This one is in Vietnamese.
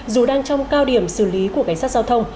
dù đang trong cao điểm xử lý của cảnh sát giao thông